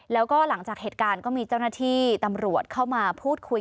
แล้วก็หลังจากเหตุการณ์ก็มีเจ้าหน้าที่ตำรวจเข้ามาพูดคุย